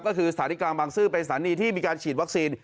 ก็คือสถานีกลางบางซื่อเป็นสถานีที่มีการฉีดวัคซีน